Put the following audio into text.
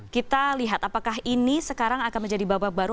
kita lihat apakah ini sekarang akan menjadi babak baru